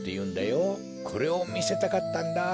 これをみせたかったんだ。